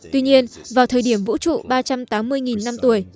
tuy nhiên vào thời điểm vũ trụ ba trăm tám mươi năm tuổi